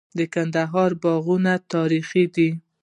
د کندهار باغونه تاریخي دي.